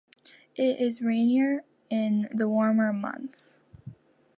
It is rainier in the warmer months.